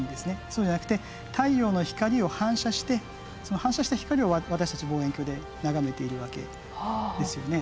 そうじゃなくて太陽の光を反射してその反射した光を私たち望遠鏡で眺めているわけですよね。